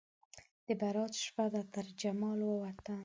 د برات شپه ده ترجمال ووته